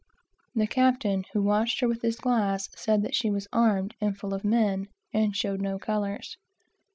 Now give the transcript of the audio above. The captain, who watched her with his glass, said that she was armed, and full of men, and showed no colors.